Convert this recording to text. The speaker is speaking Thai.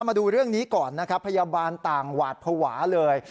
มาดูเรื่องนี้ก่อนนะครับพยาบาลต่างหวาดภาวะเลย